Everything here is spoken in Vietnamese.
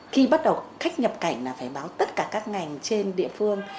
khi bắt đầu khách nhập cảnh là phải báo tất cả các ngành trên địa phương